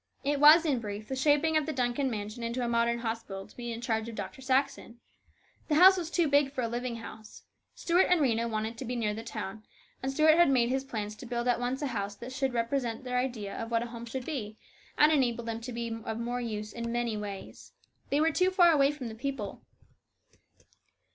It was, in brief, the shaping of the Duncan mansion into a modern hospital to be in charge of Dr. Saxon. The house was too large for a living house. Stuart and Rhena wanted to be nearer the town, and Stuart had made his plans to build at once a house that would represent their ideas of what a home should be, and enable them to be of more use in very many ways. They were too far away from the people.